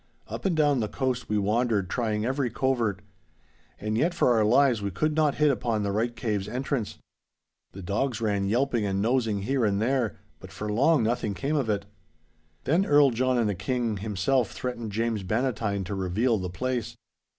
Up and down the coast we wandered trying every covert. And yet for our lives we could not hit upon the right cave's entrance. The dogs ran yelping and nosing here and there, but for long nothing came of it. 'Then Earl John and the King himself threatened James Bannatyne to reveal the place.